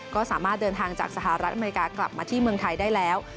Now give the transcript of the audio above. ก็สามารถเดินทางจากสหรัฐอเมริกากลับมาที่เมืองไทยได้แล้ว